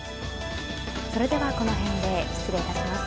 それではこの辺で失礼いたします。